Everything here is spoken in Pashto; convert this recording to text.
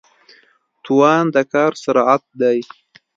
توان د کار سرعت دی.